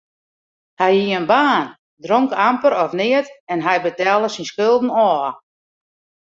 Hy hie in baan, dronk amper of neat en hy betelle syn skulden ôf.